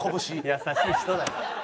優しい人だよ。